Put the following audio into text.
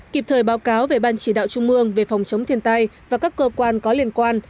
kịp thời báo cáo về ban chỉ đạo trung mương về phòng chống thiên tai và các cơ quan có liên quan